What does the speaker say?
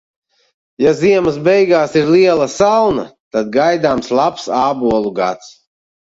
Ja ziemas beigās ir liela salna, tad gaidāms labs ābolu gads.